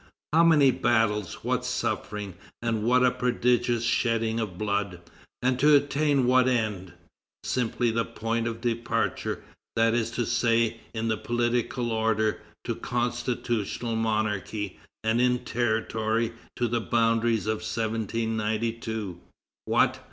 How many battles, what suffering, and what a prodigious shedding of blood! And to attain what end? Simply the point of departure; that is to say, in the political order, to constitutional monarchy, and in territory, to the boundaries of 1792. What!